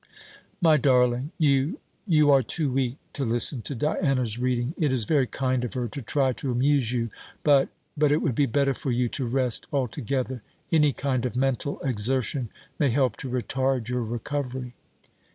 "My darling, you you are too weak to listen to Diana's reading. It is very kind of her to try to amuse you; but but it would be better for you to rest altogether. Any kind of mental exertion may help to retard your recovery."